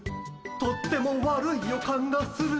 とっても悪い予感がする。